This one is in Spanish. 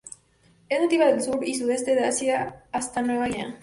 Es nativa del sur y sudeste de Asia hasta Nueva Guinea.